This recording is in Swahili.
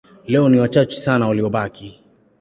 Leo ni wachache sana waliobaki.